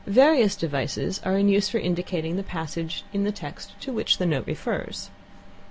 Various devices are in use for indicating the passage in the text to which a note refers.